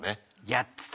やってたわ。